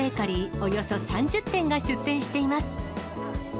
およそ３０店が出店しています。